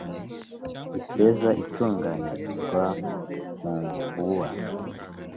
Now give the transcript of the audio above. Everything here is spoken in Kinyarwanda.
Ifeza itunganyirizwa mu mvuba